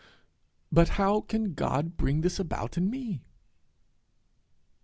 'But how can God bring this about in me?'